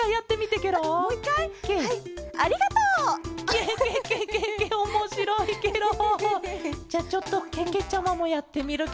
ケケケケケおもしろいケロ！じゃちょっとけけちゃまもやってみるケロ。